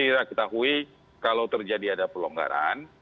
untuk mengetahui kalau terjadi ada pelonggaran